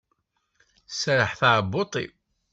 Tserreḥ teɛbuḍt-iw.